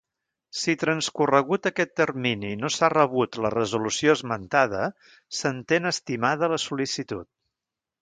Si transcorregut aquest termini no s'ha rebut la resolució esmentada, s'entén estimada la sol·licitud.